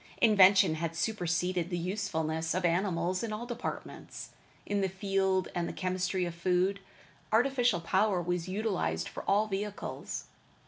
Invention had superceded the usefulness of animals in all departments: in the field and the chemistry of food. Artificial power was utilized for all vehicles.